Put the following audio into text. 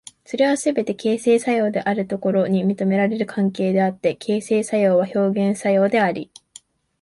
それはすべて形成作用のあるところに認められる関係であって、形成作用は表現作用であり、